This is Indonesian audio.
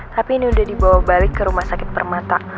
tapi ini udah dibawa balik ke rumah sakit permata